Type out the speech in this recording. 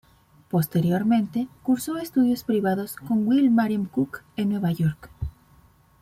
Posteriormente cursó estudios privados con Will Marion Cook en Nueva York.